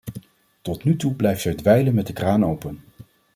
Tot nu toe blijft zij dweilen met de kraan open.